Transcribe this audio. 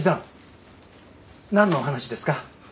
何の話ですか？